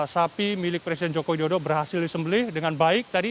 sapi milik presiden joko widodo berhasil disembelih dengan baik tadi